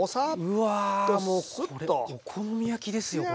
うわもうこれお好み焼きですよこれ。